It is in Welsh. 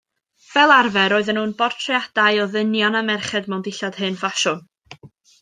Fel arfer roedden nhw'n bortreadau o ddynion a merched mewn dillad hen-ffasiwn.